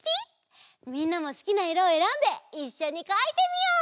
みんなもすきないろをえらんでいっしょにかいてみよう！